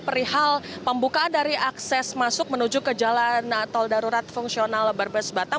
perihal pembukaan dari akses masuk menuju ke jalan tol darurat fungsional berbes batam